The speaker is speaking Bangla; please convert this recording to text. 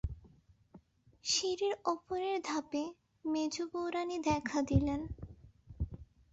সিঁড়ির ওপরের ধাপে মেজ বৌ-রানী দেখা দিলেন।